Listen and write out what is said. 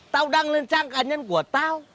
tao đăng lên trang cá nhân của tao